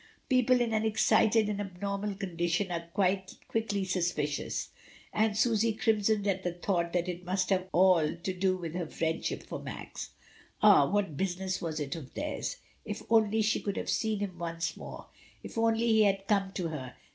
People in an excited and abnormal condition are quickly sus picious, and Susy crimsoned at the thought that it must all have to do with her friendship for Max. Ah! what business was it of theirs. If only she could have seen him once more. If only he had come to her.